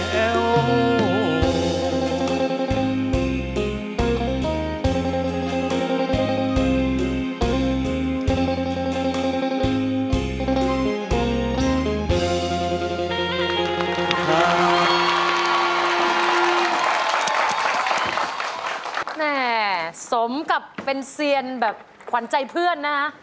คุณสวัสดิ์หรืออย่างแบบหวั่นใจเพื่อนนะ